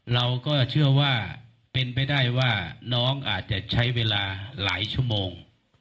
เราก็เชื่อว่าเป็นไปได้ว่าน้องอาจจะใช้เวลาหลายชั่วโมง